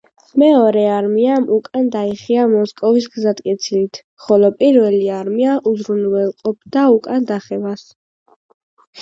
მეორე არმიამ უკან დაიხია მოსკოვის გზატკეცილით, ხოლო პირველი არმია უზრუნველყოფდა უკან დახევას.